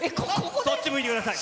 そっち向いてください。